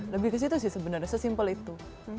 lebih ke situ sih sebenarnya sesimpel itu